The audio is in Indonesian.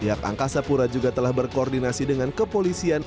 pihak angkasa pura juga telah berkoordinasi dengan kepolisian